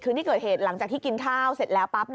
ที่เกิดเหตุหลังจากที่กินข้าวเสร็จแล้วปั๊บ